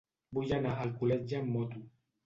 Vull anar a Alcoletge amb moto.